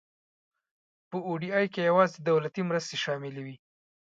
په او ډي آی کې یوازې دولتي مرستې شاملې وي.